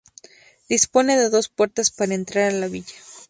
Dispone de dos puertas para entrar a la villa.